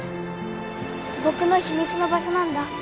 僕の秘密の場所なんだ。